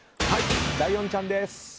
ライオンちゃんです！